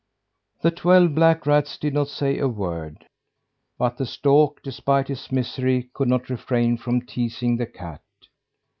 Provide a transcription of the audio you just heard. The twelve black rats did not say a word. But the stork, despite his misery, could not refrain from teasing the cat.